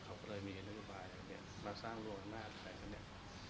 เขาก็เลยมีนักบาลอย่างเงี้ยมาสร้างรวมมากแค่นั้นเนี้ย